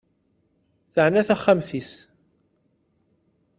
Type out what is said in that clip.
Teɛna taxxmat-is.